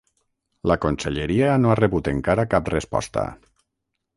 La conselleria no ha rebut encara cap resposta.